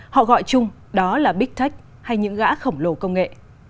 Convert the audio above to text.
họ gọi chung đó là big tech hay những gã khổng lồ công nghệ